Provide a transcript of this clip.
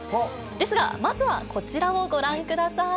ですが、まずはこちらをご覧ください。